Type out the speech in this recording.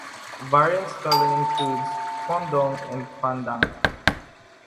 Variant spelling includes quondong and quandang.